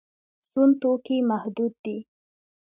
سون توکي محدود دي.